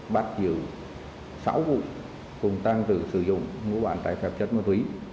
bắt giữ sáu vụ cùng tăng trừ sử dụng ngũ bản trái phép chất ma túy